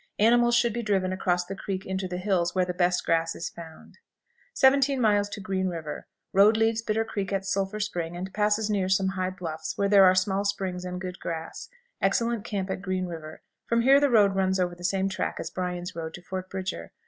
Animals should be driven across the creek into the hills, where the best grass is found. 17. Green River. Road leaves Bitter Creek at Sulphur Spring, and passes near, some high bluffs, where there are small springs and good grass. Excellent camp at Green River. From here the road runs over the same track as Bryan's road to Fort Bridger.